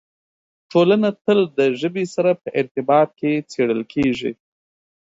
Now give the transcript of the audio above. ټولنه تل د ژبې سره په ارتباط کې څېړل کېږي.